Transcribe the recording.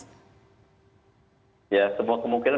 ya semua kemungkinan